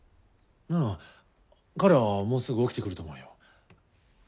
ああ彼はもうすぐ起きてくると思うよ